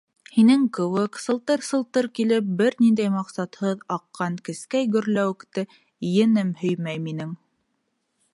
Һинең кеүек, сылтыр-сылтыр килеп, бер ниндәй маҡсатһыҙ аҡҡан кескәй гөрләүекте енем һөймәй минең.